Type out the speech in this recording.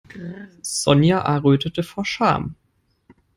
Sonja errötete vor Scham.